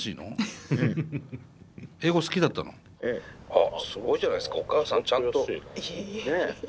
ああすごいじゃないですかお母さんちゃんと。いえいえいえ。